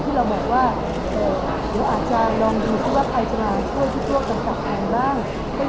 อาจารย์บอกว่าเพราะมันเป็นงานที่เขากำจัดงานกับพระเจ้าเขาก็ต้องทำให้จบสิ